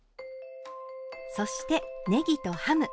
そしてねぎとハム。